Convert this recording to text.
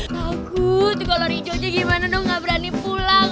takut kolor ijonya gimana dong nggak berani pulang